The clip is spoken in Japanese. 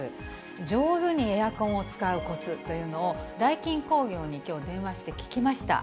上手にエアコンを使うこつというのを、ダイキン工業にきょう、電話して聞きました。